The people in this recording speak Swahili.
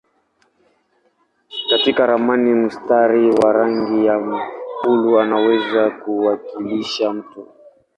Katika ramani mstari wa rangi ya buluu unaweza kuwakilisha mto.